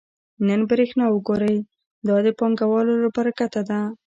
نن برېښنا وګورئ دا د پانګوالو له برکته ده